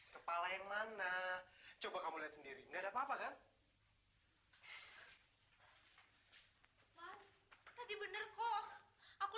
kalau ini bener bener kota hantu